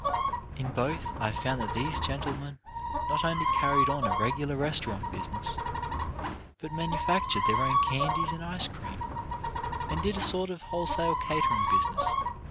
In both I found that these gentlemen not only carried on a regular restaurant business, but manufactured their own candies and ice cream, and did a sort of wholesale catering business.